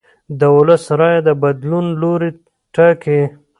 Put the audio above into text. د ولس رایه د بدلون لوری ټاکي